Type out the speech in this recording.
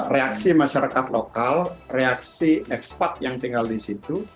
reaksi masyarakat lokal reaksi ekspat yang tinggal di situ